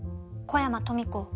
小山富子。